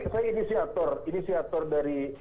saya ini sektor ini sektor dari